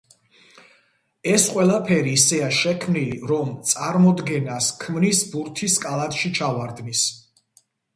ეს ყველაფერი ისეა შექმნილი, რომ წარმოდგენას ჰქმნის ბურთის კალათში ჩავარდნის.